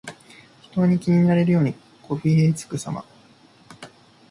人に気に入られるようにこびへつらうさま。